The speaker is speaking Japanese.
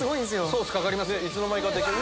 ソースかかります。